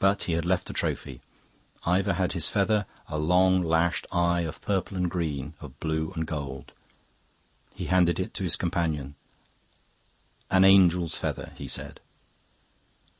But he had left a trophy. Ivor had his feather, a long lashed eye of purple and green, of blue and gold. He handed it to his companion. "An angel's feather," he said.